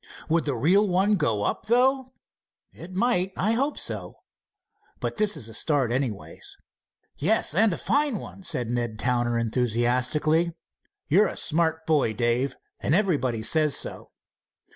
"Would the real one go up, though?" "It might. I hope so. But this is a start, anyway." "Yes, and a fine one," said Ned Towner, enthusiastically. "You're a smart boy, Dave, and everybody says so."